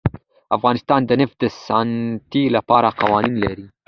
افغانستان د نفت د ساتنې لپاره قوانین لري.